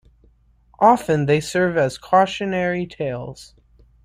Often they serve as cautionary tales.